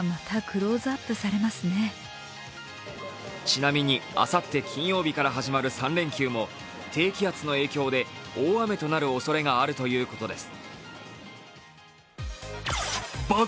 ちなみにあさって金曜日から始まる３連休も低気圧の影響で大雨となるおそれがあるということです。